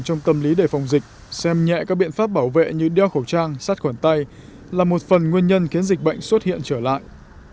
trong tâm lý đề phòng dịch xem nhẹ các biện pháp bảo vệ như đeo khẩu trang sát khuẩn tay là một phần nguyên nhân khiến dịch bệnh xuất hiện trở lại